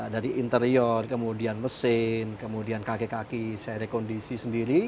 dari interior kemudian mesin kemudian kakek kaki saya rekondisi sendiri